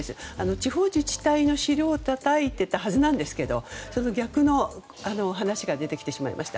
地方自治体の尻をたたいていたはずなんですがその逆の話が出てきてしまいました。